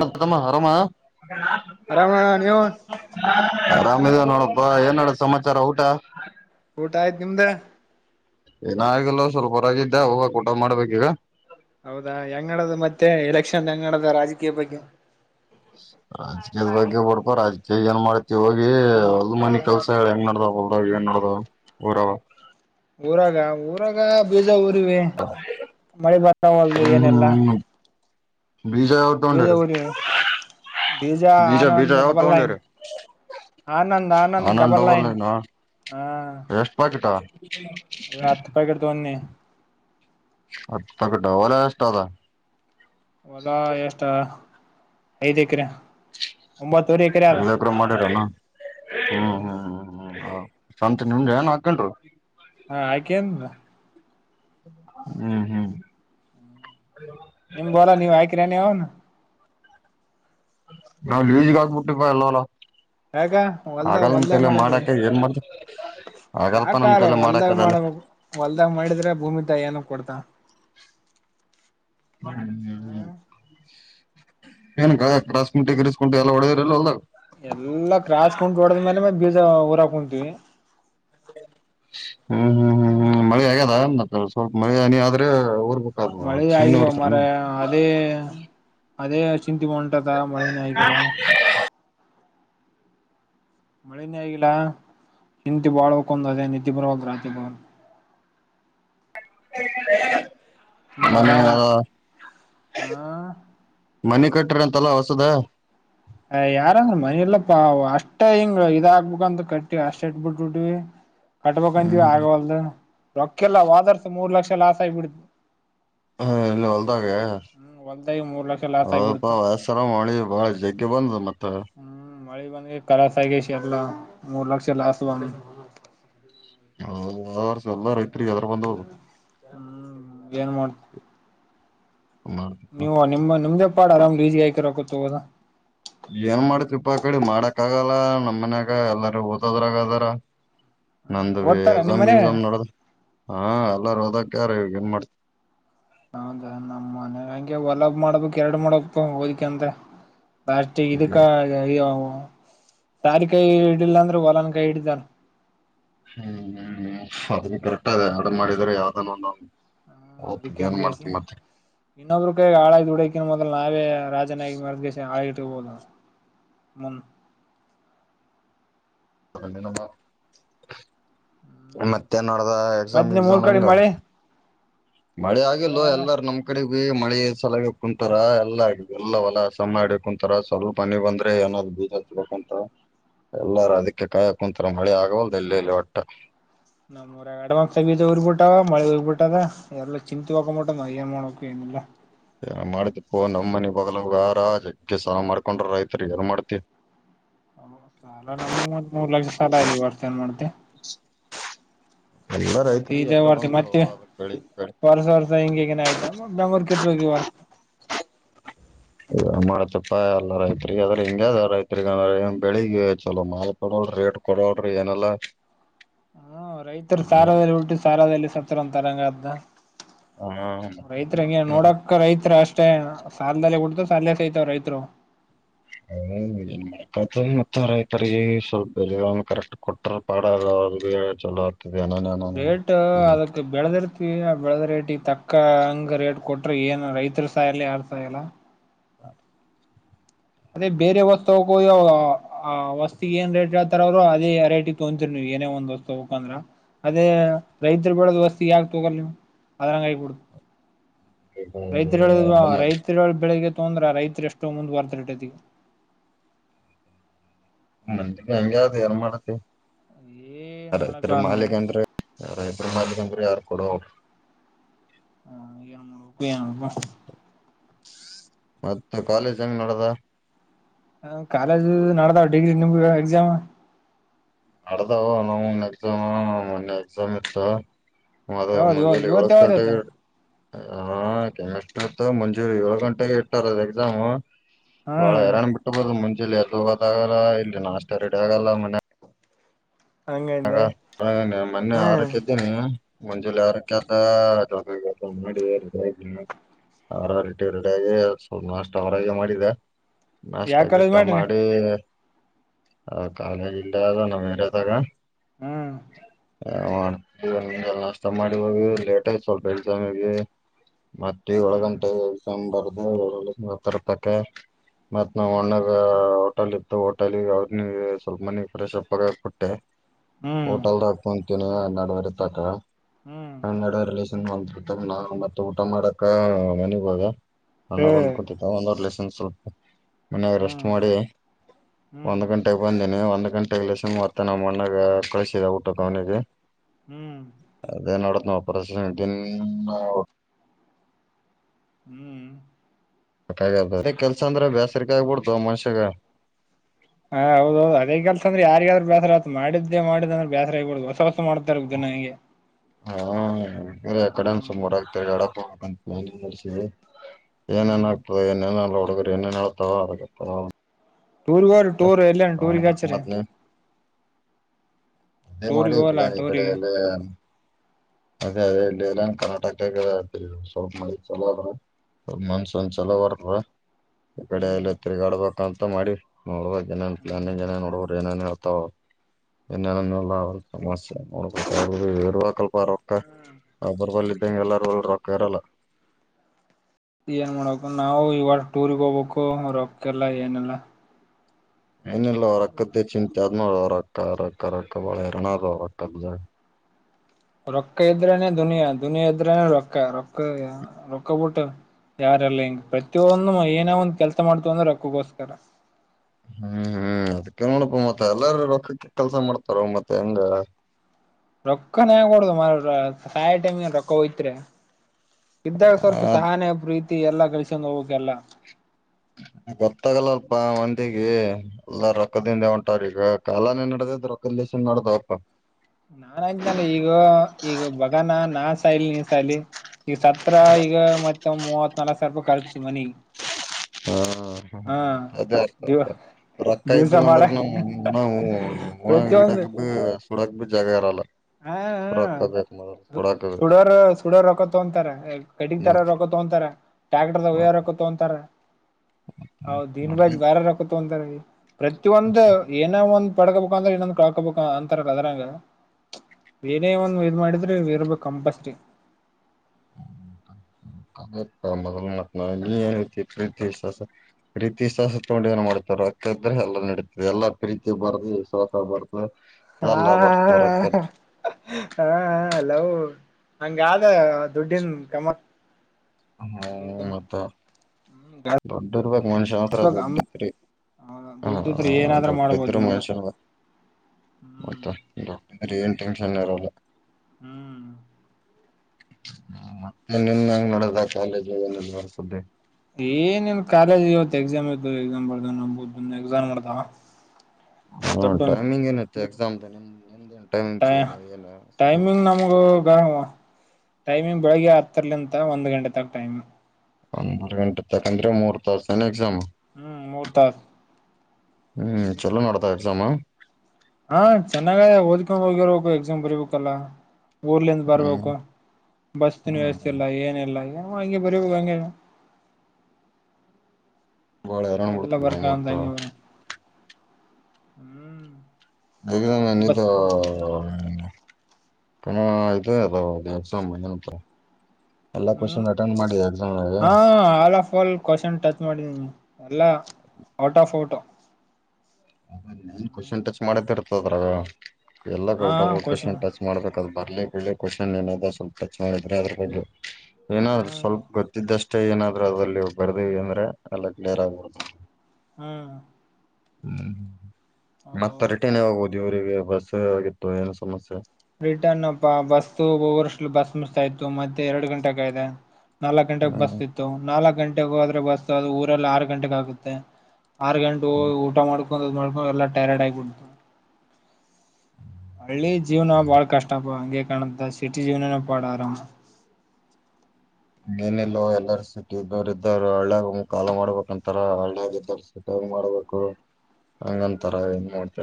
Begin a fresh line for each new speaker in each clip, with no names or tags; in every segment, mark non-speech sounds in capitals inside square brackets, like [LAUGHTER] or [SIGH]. ನ ತಮ್ಮ ಹರಾಮ
ಆರಾಮಣ್ಣ ನೀವು
[UNINTELLIGIBLE] ಆರಾಮದ ನೋಡಪ್ಪಾ ಏನ್ಡ ಸಮಾಚಾರ ಊಟ
ಊಟ ಆಯ್ತು ನಿಮ್ದ
ಏನ ಆಲ್ಲ ಸ್ವಲ್ಪ ಹೊರಗಿದ್ದ ಹೋಗವಾಗ ಊಟ ಮಾಡ್ಬೇಕ ಈಗ
ಹೌದಾ ಹೆಂಗಡ್ದ ಮತ್ತೆ ಎಲೆಕ್ಷನ್ ಹೆಂಗಡದ ರಾಜಕೀಯ ಬಗ್ಗೆ
ರಾಜಕೀಯದ ಬಗ್ಗೆ ಬಡ್ಕೋ ರಾಜಕೀಯ ಏನ್ ಮಾಡ್ತಿ ಹೋಗಿ ಅಲ್ ಮನಿ ಕೆಲ್ಸ ಹೇಳ ಹೆಂಗ್ ನಡ್ದ ಏನ್ ನೋಡ್ದಾವ ಊರವ
ಊರಾಗ ಊರಾಗ ಬೀಜ ಊರಿಿವ ಮಳೆ ಬರವಲ್ದು
ಹ್ಮ್
ಏನೆಲ್ಲಾ
ಹ್ಮ್ ಬೀಜ ಯಾವ್
ಬೀಜ
ತಗೊಂಡ್ರೀ
ಊರಿವಿ
ಬೀಜ ಬೀಜ
ಆನಂದ್
ಯಾವ
ಡಬಲ್ ನೈನ್
ತಗೊಂಡ್ರೀ
ಆನಂದ್ ಆನಂದ್
ಅನ
ಡಬಲ್ ನೈನ್
ಡಬಲ್ನು ಎಷ್ಟು ಬಾಕೆಟ
ಅ ಹತ್ತು ಪಾಯಕಟ್ಟಡ್ ತಿ
ಅ ಕಡ ಲ ಇಷ್ಟ ಅದ
ಹೊಲಾ ಎಷ್ಟ ಐದೇಕ್ರ
ಎಲ್ಲ ಪ್ರಮೊಟರ ಹ್ಮ್ ಹ್ಮ್ ಹ್ಮ ಹ್ಮ ಹ ಸತ್ ನಿಮ್ದ ಏನ್ ಹಾಕೊಂಡರು
ಹಾ ಆಯ್ಕೆನ್
ಹ್ಮ್ ಹ್ಮ್
ನಿಮ ಬೋರ ನೀವ್ ಹಾಕಿರನೆ ಅವನು
ನಾ ಲಜ ಕಾತ್ ಮುಟ್ಟಿಪ ಎಲ್ಲಲ್ಲ
ಹಗ ಹೊಲ್ದ ಹೊಲ್ದ ಮಾಡ ಬಿಡ
ಮಾಡಕ ಏನ್ ಮಾಡ್ತಿ ಆಗಲ್ಪ ನಮ್
ಯಾಕಾಲ
ಕೈಲೆ ಮಾಡಕ್
ಹೊಲ್ದಾಗ್
ಅದಲ್ಲ
ಮಾಡಬೇಕ ಹೊಲ್ದಾಗ್ ಮಾಡಿದ್ರೆ ಭೂಮ ತ ಏನಕ್ ಕೊಡ್ತಾ
ಹ ಹ ಹ್ಮ
ಹ
ಏನ್ ಕ ಕ್ರಸ್ ಕುಂಟಿ ಕಿಸಸ್ಕಂಟು ಎಲ್ಲ ಹೊಡದ್ರಲ್ ಅಲ್ದ
ಎಲ್ಲಾ ಕ್ರಾಸ್ಕೊಂಡು ಓಡದ ಮೇಲೆ ಮ ಬೀಜ ಊರಾಕ ಕುಂತೀವಿ
ಹ್ಮ್ ಹ್ಮ್ ಹ್ಮ್ ಹ್ಮ್ ಮಳೆ ಆಗ್ಯದ ಸ್ವಲ್ಪ ಮಳೆ ಹನಿ ಆದ್ರೆ ಊರ್
ಮಳೆ ಆಗಿಲ್ಲ ಮಾರಯ ಅದೇ ಅದೇ ಚಿಂತಿ ಉಂಟದ ಮಳೆನ ಆಯಗಲ್ಲ ಮಳೆನೇ ಆಗಿಲ್ಲ ಹಂತಿ ಬಾಳ್ಕಂದ್ ಅದೇ ನತಿೆ ಬರುವದ ರಾತ್ ಸುಮ್ನ
ಮನ
ಆರಾಮ
[UNINTELLIGIBLE]
ಹ
ಮನೆ ಕಟ್ಟ್ರ ಅಂತಲ್ಲ ಹೊಸದ
ಯಾರಂದ್ರ ಮನಲ್ಲ ಪಾ ಅಷ್ಟ ಹಿಂಗ ಇದಾಗಕ್ಬೇಕಕ್ಂತ ಕಟ್ಟಿವ ಅಷ್ಟ ಇಟ್ಬಿಟ್ಬಿಡ್ವಿ ಕಟ್ಬೇಕಕ್ಂತೀವಿ ಆಗವಲ್ದ ರೊಕ್ಕಲ್ಲ ಹದರ್ಸ ಮೂರ್ ಲಕ್ಷ ಲಾಸ್ ಆಗಿಬಿಡ್ತ
ಹ ಇಲ್ಲಿ ಹೊಲ್ದಾಗ
ಹೊಲ್ದಾಗಿ ಮೂರ್ ಲಕ್ಷ ಲಾಸ್
ಅವಲ್ಪಾ
ಆಗ್ಬಿಡ್ತು
ವಯಸ್ಸರ ಮಾಡಿ ಬಾಳ ಜ ಕೆವನ್ ಜಮ್ಮತ
್ಮ ಮಳಿ ಬಂದ ಕಲ ಸಗ ಎಲ್ಲ ಮೂರ್ ಲಕ್ಷ ಲಾಸ್ ಬಿ
ಹೌ
ಹ್ಮ್ ಏನ್ ಮಾಡೋ ನೀವು ನಿಮ್ಮ ನಿಮ್ದೇ ಪಾಡ ಆರಾಮ್ ರೀಿ ಆಯಕರಕೊತ ಹೋದಾ
ಏನ್ ಮಾಡತಿಪ್ಪಾ ಅ ಕಳಿ ಮಾಡಕ ಆಗಲ್ಲ ನಮ್ ಮನ್ಯಾಗ ಎಲ್ಲಾರ ಓದತದ್ರಾಗ ಅದಾರ
ಹ್ಮ್
ನಂದ ಬಿ
ಓದ್ತಾರ ನಿಮ್
ಎಕ್ಸಾಮ್
ಮನೆ
ಬಿಕ್ಸಾಮ್ ನಡ್ದ ಹ ಎಲ್ಲ ಹಓದಕ ಯಾರ ಇವ ಏನ್ ಮಾಡ್ತ
ಹೌದಾ ನಮ್ಮ್ ಮನೆ ಹಂಗೆ ಹೊಲಬ್ ಮಾಡಬೇಕಕ್ ಎರಡು ಮಾಡಪ್ಪ ಹೋದಿಕ ಅಂದ್ರ ಬ ಇದುಕ್ಕಾ ಇದು ಆಗ ಸಾರಿ ಕಾಯ ಹಡಿಿಲ್ಲಾ ಅಂದ್ರೆ ಹೊಲನ್ ಕೈ ಹಿಡಿದಾನ
ಹ್ಮ್್ಮ ಅದು ಕರೆಕ್ಟ್ ಅದದೆ ಆಡ ಮಾಡಿದ್ರ ಯಾವ್ದನ ಒಂದು ಓದ ಏನ್ ಮಾಡ್ತೀನ ಮತ್ರಿ
ಇನ್ನೊಬ್ಬರು ಕ ಹಳಾಯ್ದ್ ಹಡಕ ಮೊದಲ್ ನಾವೇ ರಾಜನಾಗಿ ಮ ಹಾಳ ದ ಮುಂದ
ಮತ್ತೆ ನಡದ ಎಗ್ಜಾಮ
ಮತ್ ನಿಮ್ ಊರ್
ವಿಗಜಾಮ
ಕಡೆ
ಹೆಂಗ
ಮಳೆ
ಮಳೆ ಆಗಲ್ ಎಲ್ಲಾರ ನಮ್ ಕಡೆ ಮಳಿ ಸಲಗ ಕುಂಂತರ ಎಲ್ಲ ಎಲ್ಲ ಹೊಲಸ ಮಾಡಿ ಕುಂತರ ಸ್ವಲ್ಪನಿ ಬಂದ್ರೆ ಏನ ಬೀಜ ಹತ್ುಂತರ ಎಲ್ಲಾರ ಅದಕ್ಕೆ ಕಾಯಕುಂತರ ಮಳೆ ಆಗವಲ್ ಎಲ್ಲೆಲ್ಲಿ ಹೊಟ್ಟೆ
ನಮ್ೂರ ಅಡವಾನ್ರ್ಬಿವ ಮಳೆ ಉರ್ಬಿಟ್ಟದ ಎಲ್ಲ ಚಿಂತತ್ ಹೋಗಕೋಂಬಿದ ನ ಏ ಮಾಡೋಕ ಲ್ಲ
ಏನ್ ಮಾಡತತಿಪ್ಪ ನಮ್ಮ್ ಮನಿ ಬಾಗಲ ಯಾರ ಜಗ್ಗೆ ಸನ ಮಾಡ್ಕೊಂಡ್ರ ರೈತ್ರಿ ಏನ್ ಮಾಡ್ತಿ
ಹ ಸಾಲ ನಮ್ಮ ಮೂವತ್ ಮೂರ್ ಲಕ್ಷ ಸಾಲ ಆಯೀ ವರ್ತ ನ್ ಮಾಡತೆ
ಎಲ್ಲ
ಮತ್ತೆ
ರೈತರಿ ಎದ್ರ
ಇದೇವರ್ತಿ
ಬಂದದ
ಮತ್ತೆ
ಅದಕ್ ಬೆಳಿ ಬೆಳಿ
ವರ್ಸ ವರ್ಸ ಹಿಂಗಗೆ ಹಗನ ಆಯ್ತಾ ಮ ಬೆಂಗರ್ ಕತ್ಿ ವರ್ಸ
ಈ ಮಾಡತಪ್ಪ ಎಲ್ಲ ರೈತ್ರಿ ಆದದ್ರೆ ಹಿಂಗಾದ ರೈತ್ರಿರಿಗೆ ಬೆಳಿಗ್ಗೆ ಚಲೋ ಮಾಪಡ ರೇಟ್ ಕೊಡೋಡ್ರಿ ಏನಲ್ಲಾ
ಹ್ಮ ರೈತರು ಸಾರದಲ್ಲಿ ಹಟ್ಟು ಸಾರದಲ್ಲಿ ಸತ್ರ ಅಂತರಂಗದ್ದ ರೈತರ ಹಂಗೆ ನೋಡಕ ರೈತ್ರ ಅಷ್ಟೇ ಸಾಲದದಲ್ಲಿ ಹಡ್ತ ಸಲ್ಲ ಸಹಿತ ರೈತರು
ಹಕತ್ ಮತ್ತ ರೈತರಿಗೆ ಸ್ವಲ್ಪ ಬೆ ಕರೆಕ್ಟ್ ಕೊಟ್ರ ಪಾಡ ಬ ಚಲ
ರೇಟ್ ಅದಕ್ ಬೆಳೆದಿರ್ತ ಬೆಳೆದ ರೇಟ್ ಈ ತಕ್ಕ ಹಂಗ ರೇಟ್ ಕೊಟ್ರ ಏನ್ ರೈತರ ಸಾಯಲ್ಲ ಯಾರ ಸಾಯಲ್ಲ
ಹ
ಅದೇ ಬೇರೆ ವಸ್ತು ಹಕಯ್ಯ ವಸ್ತತಿಗೆ ಏನ್ ರೇಟ್ ಹತಾರ ಅವರು ಅದೇ ರೇಟಿಗೆ ತೊಂತರರಿ ನೀ ಏನೇ ಒಂದ್ ವಸ್ತ ಹಖಂದ್ರ ಅದೇ ರೈತರು ಬಡೋದ ವಸ್ತು ಯಾಕ ತಗೋಲ್ ನೀವು್ ಅದರಂಗಾಯ ಕೊೂಡತ ರೈತರ ರೈತ ಬೆಳಗ್ ತೊಂದ್ರ ರೈತ ಎಷ್ಟು ಮುಂದುವರ್ದಟೈತಿ
ಮಂಟ ಹೆಂಗಗೆ ಯಾವ ಏರ್ ಮಾಡಡತ್ತ
ಏನ್
ರೈತರು
ಮಾಡಕ್ಕಾಗಲ್ಲ
ಮಾಲಿಕ ಅಂದ್ರೆ ರೈತರು ಮಾಲಿಕ ಅಂದ್ರ ಯಾರ್ು ಕೊಡರು
ಹಾ ಯ ಯ
ಮತ್ತ ಕಾಲೇಜ್ ಹೆಂಗ ನೋಡದ
ಹ ಕಾಲೇಜ್ ನಡ್ದಾವ ಡಿಗ್ರಿ ನಿಮ್ ಎಕ್ಸಾಮ್
ಮಾಡದಾವ ನ ಎಕ್ಸಾಮ ಮೊನ್ನೆ ಎಕ್ಸಾಮ್ ಇತ್ತು ಮದ
ಯಾವ್ದ್ ಇವ
ಮುಂಜಳೆ ಏಳ
ಇವತ್ ಯಾವ್ದೈತ
ಗಂಟೆಗೆ. ಹಾ ಕೆಮಿಸ್ರತ್ತು ಮುಂಜೂರು ಏಳು ಗಂಟೆಗೆ ಇರ್ತಾರ ಅದ ಎಕ್ಸಾಮ್. ಭಾಳ
ಹ್ಮ್
ಹಾರನ್ ಬಿಟ್ಟ ಬರ ಮುಂ ಇಲ್ಲಿ ಎಲ್ಲ ಗೊತ್ತಾಗಲ್ಲ ಇಲ್ಲಿ ನಾಷ್ಟ ರೆಡಿ ಆಗಲ್ಲ ಮನೆ.
ಹಂಗೈತೆ
ಆ ಮೊನ್ನೆ
ಹ್ಮ್
ಆರಕ್ಕೆ ಇದ್ದೀನಿ. ಮಂಜುಲಿ ಯಾರ ಕಸ ಮಾಡಿಾರ ಹ [UNINTELLIGIBLE] ಅವರಟರಡಾಗಿ ಸು ನ ಅಷ್ಟ ಅವರಾಗ ಮಾಡಿದೆ. ನಾಷ್ಟ
ಯಾವ ಕಾಲೇಜ್
ಗಷ್ಟ
ಮಾಡ್ರಿ
ಮಾಡಿ. ಹ ಕಾಲೇಜ್ ಇಿಂದ ಅದ ನಾವ್ೇರದಾಗ.
ಹ್ಮ್
ಮಾಡ್ ನಿಮಗೆ ನಷ್ಟ ಮಾಡಿ ಹೋಗಿ ಲೇಟ್ ಆಯ್ತು ಸ್ವಲ್ಪ ಎಕ್ಸಾಮಿಗೆ. ಮತ್ತೆ ಏಳ
ಹ್ಮ್
ಗಂಟೆಗೆಂಬಾರದು ಏಂಬತ್ತರತಕ್ಕ. ಮತ್ ನಾವ್ ಒಣ್ಣಾಗ ಹೋಟೆಲ್ ಇತ್ತು ಹೋಟೆಲ್ ಅವ್ರ ಸ್ವಲ್ಪ ಮನಿ ಫ್ರೆಶ್ ಅಪ್ ಕೊಟ್ಟೆ.
ಹ್ಮ್
ಹೋಟೆಲ್ದ ಹಾಕೊಂತೀನಿ ಹನ್ನೆಡವರೆ ತಕ
ಹ್ಮ್
ಹನ್ನೆಡವರಿಲ್ಲಿ. ತ ನಾ ಮತ್ತೆ ಊಟ ಮಾಡಕ ಮನಿ ಹದ ಅಣ್ಣ ಬಂದ್
ಹ್ಮ್
ಕುತತ್ತ ಒಂದ ಸ್ವಲ್ಪ ಮನ್ಾಗ ರೆಸ್ಟ್
ಹ್ಮ್
ಮಾಡಿ
ಹ್ಮ್
ಒಂದ್ ಗಂಟೆಗೆ ಬಂದೀನಿ ಒ ಒಂದು ಗಂಟೆ ಮತ್ತೆ ನಾವ್ಣ್ಣಾಗ ಕಳಿಸಿದ ಊಟದ ಅವನಿಗೆ.
ಹ್ಮ್
ಅದೇ ನೋಡತನ ಪ್ರರಶ ದಿನ.
ಹ್ಮ್
ಕೆಲ್ಸ ಅಂದ್ರೆ ಬೇಸರಿಕ ಆಗ್ಬಿಡ್ತು ಮನುಷ್ಯಾಗ.
ಹಾ ಹೌದೌದು ಅದೇ ಕೆಲಸ ಅ್ರ ಯಗಾದ್ರ ಬಸರ ಆತ ಮಾಡಿದ್ದೆ ಮಾಡಿದ ಅಂದ್ರೆ ಬೇಸರ ಆಗ್ಬಡುದು ಹೊಸ ಹೊ ಮಾಡ್ತಾರೆದು ಜನ ನಗೆ.
ಹಾ ಎಡೆ ಸುಮರ ತಿರುಗಾಡಕ ಹೋಗಬೇಕಂತ ಮಾಡ್ತೀನಿ ಏನೇನ್
ಹ್ಮ್
ಆಗ್ತದೆ ಏನೇನಲ್ಲ ಹುಡುಗ್ರರು ಏೇನ್ ಹೇತವ ಅದರ್ತವ.
ಟೂರ್ಗೋ ಟೂರ್ ಎಲ್ಲ ಟೂರ್ ಹಚರಿ.
ಅೇ ಮಾಡಿ
ಟೂರಿಗೆ
ಇಲ್ಲ
ಹೋಗಲ್ಲ
ಈ
ಟೂರಿಗೆ
ಕಡೆಲ್ಲ ಅದೇ ಅೇ ಇಲ್ಲ ಎಲ್ಲ. ಕರ್ನಾಟಕ ಸ್ವಲ್ಪ ಮಿ ಚಲೋದ್ರ ಸ್ವಲ್ಪ ಮನ್ಸ ಒಂದ ಚಲೋರ್. ಈ ಕಡೆ
ಹ್ಮ್
ಎಲ್ಲ ತಿರ್ಗಾಡ್ಬೇಕಂತ ಮಾಡಿ ನೋಡ ಜನನ್
ಹ್ಮ್
ಜನ ನೋಡಬ ಏನ. ಏ ಅವ ಸಮಸ್ಯೆ ನೋಡ್ ಬೇಕು. ಯುರಕಲ್ ರೊಕ್ಕ ಅಬರ್ ಬಲ್ಲ ಇದಿದ್ದಂ ಎಲ್ಲಾರ ಒಲ್ ರೊಕ್ಕ ಇರಲ್ಲ.
ಏನ್ ಮಾಡಬೇಕು ನಾವು ಇವಾಗ ಟೂರ್ಗ್ ಹೋಗ್ಬೇಕು ರೊಕ್ಕೆಲ್ಲ ಏನೆಲ್ಲಾ.
ಏನ ಇಿಲ್ಲ ಅವ್ರ ಅಕ್ಕದ ಚಿಂತೆ ಆದ್ ನೋಡ ಅವ್ರ ರೊಕ್ಕ ರೊಕ್ಕ ರೊಕ್ಕ ಬಾಳ ಎರಡಾರ ಅವ್ರ ಅಕ್ಕದದಾಗ.
ರೊಕ್ಕ ಇದ್ರೆ ದದುನಿಯಾ ದುನಿಯ ಇದ್ರ ರೊಕ್ಕ ರೊಕ್ಕ ರೊಕ್ಕ ಬುಟ್ಟ. ಯಾರೆಲ್ಲ ಹಿಂಗ ಪ್ರತಿಯೊಂದು ಏನ ಒಂದ್ ಕೆಲ್ಸ ಮಾಡ್ತವ ಅಂದ್ರೆ ರೊಕ್ಕಕ್ಕೋಸ್ಕರ.
ಹ್ಮ್ ಹ್ಮ್ ಅದ್ಕ್ಕೆ ನೋಡಪ ಮತ್ತ ಎಲ್ಲಾರ ರೊಕ್ಕಕ್ಕೆ ಕೆಲ್ಸ ಮಾಡ್ತಾರ ಮತ್ತೆ ಹೆಂಗ.
ರೊಕ್ಕನಯ ಹೊಡುದು ಮ ಸಾಯಿ ಟೈಮ ರೊಕ್ಕ ಹೋಯ್ತ್ ರಾ. ಇದ್ದಾಗ ಸ್ವಲ್ಪ ಸಹನ ಪ್ರೀತಿ ಎಲ್ಲ ಗಳಿಸಿಕೊಂಡ ಹೋಗಕ್ಕೆಲ್ಲ.
ಗೊತ್ತಾಗಲ್ಲಲ್ಪಾ ಮಂದಿಗೆ ಎಲ್ಲ ರೊಕ್ಕದಿಂದ ಹೊಂಟಾರ್ರ ಈಗ ಕಾಲಾನೇನ್ ನಡದ ರೊಕ್ಕದಿಂದ. ನೋಡಪ್ಪ ಯಪ್ಪಾ
ನಾನ್ ಆಯ್ತನಲ್ಲ ಈಗ ಈಗ ಬಗಾನ ನಾ ಸಾಯಲಿ ನೀನ್ ಸಾಯಲಿ ಈಗ ಸತ್ರ ಈಗ ಮತ್ತೆ ಮೂವತ್ ನಾಲ್ಕ ಸಾವಿರ ರೂಪಾಯಿ ಖರ್ಚು ಮನಗ್
ಹಾ ಹ ಮತ್ತೆ ಅದೇ ಆರ್ಥ
ದಿವ
ಆತ ರೊಕ್ಕ
ದಿವ್ಸ
ಇದ್ದಿಲ್ಲ
ಮಾಡ
ಅಂದ್ರೆ ನಮ್ಮ್
ಪ್ರತಿಯೊಂದು
ಹಿಡಕ್ ಭ ಸುಡಕ್ ಬಿ ಜಾಗ ಇರಲ್ಲ
ಹಾ
ರೊಕ್ಕ ಬೇಕು ಮ
ಸುಡೋರ್ ಸುಡೋರ್ ರೊಕ್ಕ ತೊಂತಾರೆ ಕಡಿಂಗ ತರ
ಮತ್
ರೊಕ ತೊಂತಾರೆ ಟ್ಯಾಕ್ಟರ್ ವಯರ್ ರೊಕ್ಕ ತೊಂತಾರೆ. ಹೌ ದೀಿನ
ಮತ್
ಬಾಜ ಗಾರ ರಕ್ಕೋ ತೋಂತಾರೆ. ಪ್ರತಿಿಯೊಂದ್ ಏನೋ ಒಂದ್ ಪಡ್ಕಬೇಕ ಅಂದ್ರೆ ಇನೊಂದ ಕಾಕೊಬೇಕ ಅಂತಾರಲ್ಲ ಅದ್ರಂಗ. ಬೇರೆೇ ಒಂದು ಇದ್ ಮಾಡಿದ್ರೆ ಇರಬೇಕ ಕಂಪಲ್ಸ್ರರಿ.
ಹ್ಮ ಆಯ್ತಾ ಮೊದ್ ಮತ್ನಾ ನೀ ಏನ್ಐತಿ ಪ್ರೀತಿಶ್ವಾಸ ಪ್ರೀತಿ ವಿಶ್ವಾಸ ತಗೊಂಡು ಏನ ಮಾಡತ. ಆಗ್ತಾ ಇದ್ರೆ ಎಲ್ಲ ನಡೀತದೆ ಎಲ್ಲ ಪ್ರೀತಿ ಬರ್ದು ಶ್ವಾಸ ಬರ್ದೆ.
ಹಾ ಹಾಲೋ ಹಂಗ ದುಡ್ಡನ್ ಕಮ್ಮತ್.
ಹೂ ಮತ್ತೆ ದೊಡ್ಡ ನಡ್ಬೇಕಕ್ ಮನುಷ್ಯನತ್ರ ದೊಡ್ಡ ಇದ್ರಿ ಹ
ದುಡ್ಡ ಇದ್ರೆ ಏನಾದ್ರ
ದೊಡ್ಡ
ಮಾಡ್ಬೋದು
ಇದ್ರ
ಜೀವನದಾಗ
ಮನುಷ್ಯನ
ಹ್ಮ್
ಮತ್ತ ಏನ್ ಟೆನ್ಷನ್ ಇರಲ್ಲ
ಹೂ ಹೂ
ಮ ಮೊನ್ನನ್ನಂಗ್ ನೋಡದ ಕಾಲೇಜ್ ಬರ್ಸ್ದೆ
ಏನ್ ನಿನ್ ಕಾಲೇಜ್ ಇವತ್ತು ಎಕ್ಸಾಮ್ ಇ ಎಕ್ಸಾಮ್ ಬರ್ದ ನ ಬಂದ ಎಕ್ಸಾಮ್ ಮಾಡ್ದಾವ
ಹಾ ಟೈಮಿಂಗ್ ಏನಿತ್ತು ಎಕ್ಸಾಮ್್ದ ನಿಮ್ದ ನಿ ಟೈಮ್
ಟೈ
ಏನು
ಟೈಮಿಂಗ್ ನಮಗ ಟೈಮಿಂಗ್ ಬೆಳಿಗ್ಗೆ ಹತ್ತರಲಿಂತ ಒಂದು ಗಂಟೆ ತಕ್ ಟೈಮ್ಂಗ್
ಒಂದ್ ಮೂರು ಗಂಟೆ ತಕಂದ್ರೆ ಮೂರ್ ತಾಸು
ಹ್ಮ್ ಮೂರ್ ತಾಸ
ಹೂ ಚಲ್ಲೋ ನೆಡೆದ ಎಕ್ಸಾಮಾ
ಹಾ ಚೆನ್ನಾಗ ಓದ್ಕೊಂಡ್ ಹೋಗಿರ್ಬೇಕು ಎಕ್ಸಾಮ್ ಬರಿಬೇಕಲ್ಲಾ ಊರ್ಲಿಂದ
ಹ್ಮ್
ಬರ್ಬೇಕು ಬಸ್ಿನ ವ್ಯವಸ್ಥೆ
ಹ್ಮ್
ಇಲ್ಲ ಏನಿಲ್ಲ ಹೂ ಬರೀಬೇಕು ಹಾಂಗ್ ಹಾಂಗೆ
ಬಾಳ ಹೈರಾಣ
ಎಲ್ಲ
ಬಿಡ್ತದ
ಬರ್ಕನ್
ಮತ್ತ
ತಂಗಿ ಬರ ಹೂ
ಎದಮ ಎನಿತ ಪುನಃ ಇದೇ ಏನೋಪ್ಪ ಎಕ್ಸಾಮ್ ಎಲ್ಲ
ಹ್ಮ್
ಕ್ವನ್ ಅಟೆಂಡ ಮಾಡ
ಹಾ ಆಲ್ ಆಫ್ ಆಲ್ ಕ್ವನ್ ಟಚ್ ಮಾಡಿದೀನಿ ಎಲ್ಲ ಔಟ ಆಫ್ ಔಟೋ
ನ್ ಕ್ವನ್ ಟಚ್ ಮಾಡದ ಇರ್ತದ್ರಾಗ ಎಲ್ಲ
ಹಾ
ಕತ ಕ್ವನ್
ಕ್ವಶನ್
ಟಚ್ ಮಾಡ್ಬೇಕಲ್ ಬರ್ಲಿ ಬಿಡ್ಲಿ ಕ್ವನ್ ಏನ ಸ್ವಲ್ಪ ಟಚ್ ಮಾಡಿದ್ರೆ ಅದ್ರ ಬಗ್ಗೆ ಏನಾದ್ರ್
ಹ್ಮ್
ಸ್ವಲ್ಪ ಗೊತ್ತಿದ್ದಷ್ಟು ಅಷ್ಟೇ ಏನಾದ್ರು ಅದ್ರಲ್ಲಿ ಬರ್ದೇವಿ ಅಂದ್ರೆ ಎಲ್ಲ ಕ್ಲಿಯೇರ್ ಆಗ್ಬಾರದು
ಹಾ
ಹೂ ಮತ್ತ ರಿಟನ್ ಆೋಗುವುದು ಇವರಿಗೆ ಬಸ್ ಆಗಿತ್ತು ಏನ್ ಸಮಸ್ಯೆ
ಬ್ರಿಟನ್ ಅಪ್ಪ ಬಸ್ ಹ ವರ್ಷ ಬಸ್ ಮುಿಸತಾ ಇತ್ತು ಮತ್ತೆ ಎರಡು ಗಂಟೆಗ ಇದೆ ನಾಲ್ಕಕ್ ಗಂಟೆಗೆಗ್ ಬಸ್
ಹ್ಮ್
ಇತ್ತು ನಾಲ್ಕಕ್ ಗಂಟೆ ಂ ಹೋದ್ರೆ ಬಸ್ ಅದು ಊರಲ್ಲಿ ಆರು ಗಂಟೆೆಗೆ ಆಗುತ್ತೆ ಆರು ಗಂಟೆಗೆ ಹ ಊ ಮಾಡ್ ಮಾಡಕೊಂಡ ಎಲ್ಲ ಟೈರೈಡ್ ಆಗಿಬಡ್ತು ಹಳ್ಳ ಜೀವನ ಬಾಳ ಕಷ್ಟಪ್ಪ ಹಂಗಗೆ ಕಾಣ್ದ ಸಿಟಿ ಜೀವನನ ಬಾಳ ಆರಾಮ
ನೀಏನಿಲ್ಲೋ ಎಲ್ಲಾರ ಸಿತಿ ಇದವರು ಇದ್ದಾರರು ಹಳ್ಳ್ಯ ಕಾಲ ಮಾಡ್ಬೇಕಂತಾರ ಹಳ್ಳಿಯಾಗ ಮಾಡ್ಬೇಕು ಹಂಗಂತರ ಏನ್ ನೋಡ್ತ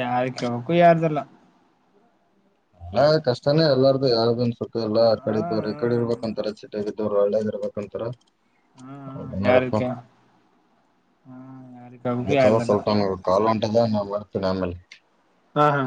ಯಾರಕ್ಕೆ ಕೇಳೋಕ್ಕೂ ಯಾರದಲ್ಲ
ಅಲ್ಲ ಕಷ್ಟನೇ ಎಲ್ಲಾರ್ದು ಯಾರುನ್ ಸುತ್ತ ಎಲ್ಲ
ಹ
ಕಡೆ ಇದರು ಈ ಕಡೆ ಇರ್ಬೇಕ ಅಂತಾರೆ ಚ ದೂರ್ ಒಳ್ಳೆ ಇರ್ಬೇಕಂತರ ಅವ
ಹ್ಮ್
ನೋಡಕು
ಯಾರಕ್ಕೆ ಹ್ಮ ಯಾರಕ್ಕಾಗಬೇಕು
ಅದವಾ
ಯಾರ್ದಲ್ಲ
ಸುಲ್ತಾನ್ ಕಾಲ ಅಂಟದ ನಾು ಮಾಡರ್ತೀನಿ ಆಮೇಲೆ
ಹಾ ಹಾ